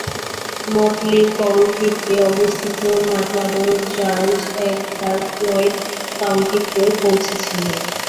Motley কাউন্টিতে অবস্থিত মাতাডোর ranch একবার Floyd কাউন্টিতেও পৌঁছেছিল।